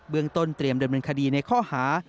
เบื้องต้นเตรียมเดินบรรคดีในข้อหา